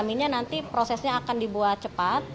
jaminnya nanti prosesnya akan dibuat cepat